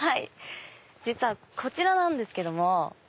実はこちらなんですけども。